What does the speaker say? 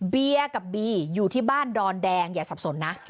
เบียร์กับบีอยู่ที่บ้านดอนแดงอย่าสับสนนะ